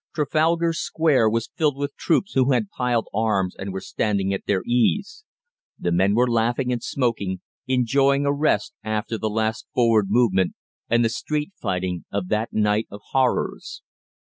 Trafalgar Square was filled with troops who had piled arms and were standing at their ease. The men were laughing and smoking, enjoying a rest after the last forward movement and the street fighting of that night of horrors.